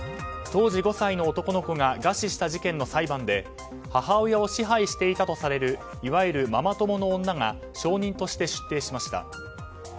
当時５歳の男の子が餓死した事件の裁判で母親を支配していたとされるいわゆるママ友の女が証人として出廷しました。